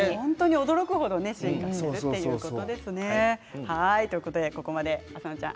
驚く程、進化しているということですね。